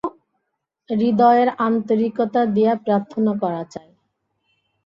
হৃদয়ের আন্তরিকতা দিয়া প্রার্থনা করা চাই।